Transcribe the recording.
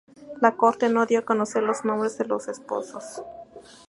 La corte no dio a conocer los nombres de los esposos.